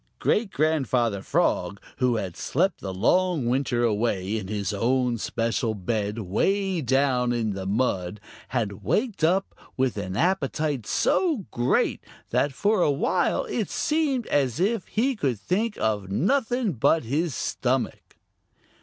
Great Grandfather Frog, who had slept the long winter away in his own special bed way down in the mud, had waked up with an appetite so great that for a while it seemed as if he could think of nothing but his stomach.